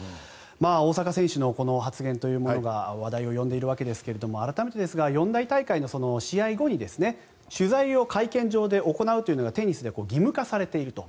大坂選手のこの発言が話題を呼んでいるわけですが改めてですが四大大会の試合後に取材を会見場で行うのがテニスで義務化されていると。